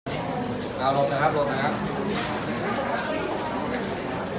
หลบนะครับหลบนะครับ